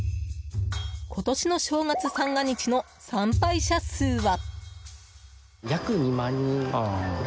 今年の正月三が日の参拝者数は。